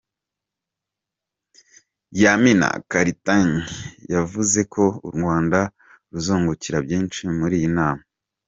Yamina Karitanyi, yavuze ko u Rwanda ruzungukira byinshi muri iyi nama.